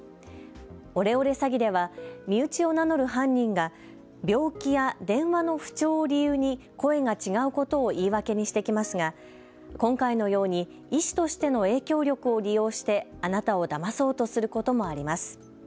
オレオレ詐欺では身内を名乗る犯人が病気や電話の不調を理由に声が違うことを言い訳にしてきますが今回のように、医師としての影響力を利用してあなたをだまそうとすることもあります。